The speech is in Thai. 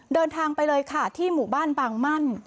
เดินทางไปเลยค่ะที่หมู่บ้านบางมั่น